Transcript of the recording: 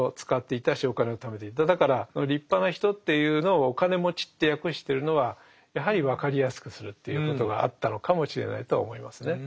だから立派な人っていうのをお金持ちって訳してるのはやはり分かりやすくするということがあったのかもしれないとは思いますね。